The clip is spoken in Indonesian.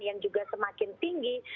yang juga semakin tinggi